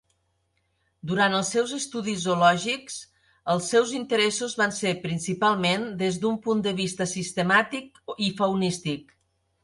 Durant els seus estudis zoològics, els seus interessos van ser principalment des d'un punt de vista sistemàtic i faunístic.